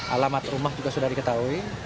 alamat rumah juga sudah diketahui